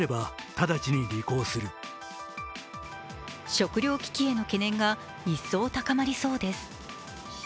食糧危機への懸念が一層高まりそうです。